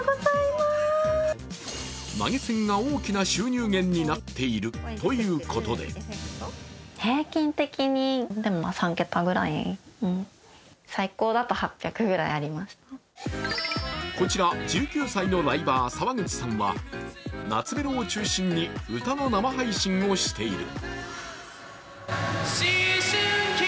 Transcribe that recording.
投げ銭が大きな収入源になっているということでこちら１９歳のライバー、澤口さんは懐メロを中心に歌の生配信をしている。